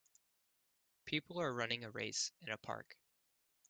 People are running a race in a park.